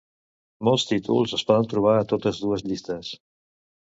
Molts títols es poden trobar a totes dues llistes.